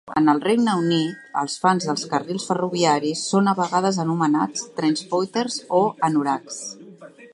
En el Regne Unit, els fans dels carrils ferroviaris son a vegades anomenats "trainspotters" o "anoraks".